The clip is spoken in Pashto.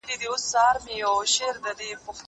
زه بايد سندري واورم؟!